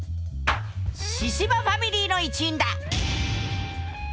神々ファミリーの一員だ！